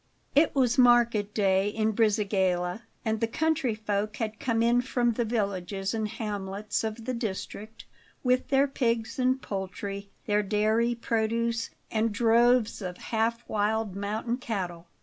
IT was market day in Brisighella, and the country folk had come in from the villages and hamlets of the district with their pigs and poultry, their dairy produce and droves of half wild mountain cattle.